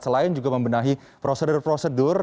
selain juga membenahi prosedur prosedur